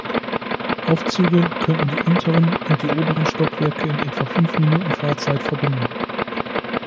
Aufzüge könnten die unteren und die oberen Stockwerke in etwa fünf Minuten Fahrtzeit verbinden.